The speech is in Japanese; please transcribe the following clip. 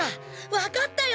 わかったよ